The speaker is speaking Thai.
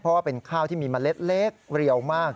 เพราะว่าเป็นข้าวที่มีเมล็ดเล็กเรียวมาก